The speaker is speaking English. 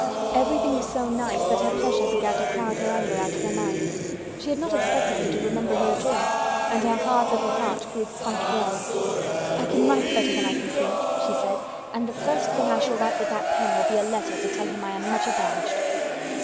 Everything was so nice that her pleasure began to crowd her anger out of her mind. She had not expected him to remember her at all and her hard little heart grew quite warm. "I can write better than I can print," she said, "and the first thing I shall write with that pen will be a letter to tell him I am much obliged."